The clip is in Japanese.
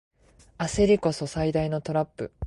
焦りこそ最大のトラップ